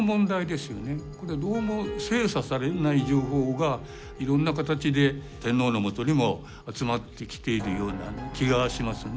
どうも精査されない情報がいろんな形で天皇のもとにも集まってきているような気がしますね。